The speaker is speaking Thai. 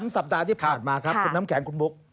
สัปดาห์ที่ผ่านมาครับคุณน้ำแข็งคุณบุ๊ค